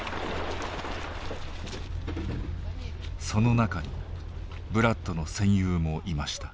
その中にブラッドの戦友もいました。